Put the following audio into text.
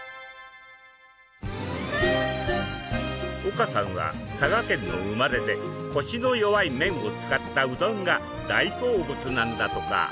岡さんは佐賀県の生まれでコシの弱い麺を使ったうどんが大好物なんだとか。